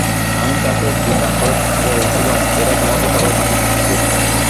আমি তাঁকে একদিন রাগ করে বলেছিলুম, এরা তোমাকে সবাই ফাঁকি দিচ্ছে।